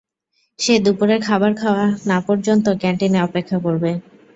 সে দুপুরের খাবার খাওয়া না পর্যন্ত ক্যান্টিনে অপেক্ষা করবে।